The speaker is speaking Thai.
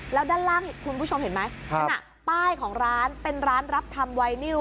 แล้วด้านล่างคุณผู้ชมเห็นไหมขณะป้ายของร้านเป็นร้านรับทำไวนิว